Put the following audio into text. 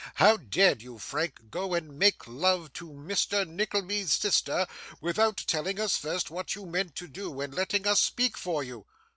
How dared you, Frank, go and make love to Mr. Nickleby's sister without telling us first what you meant to do, and letting us speak for you?